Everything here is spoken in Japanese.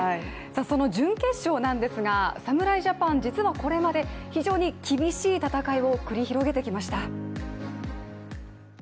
その準決勝なんですが、侍ジャパン、実はこれまで非常に厳しい戦いを繰り広げてきました。